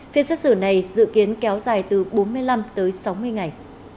phiên xét xử này dự kiến kéo dài từ bốn mươi năm tới sáu mươi ngày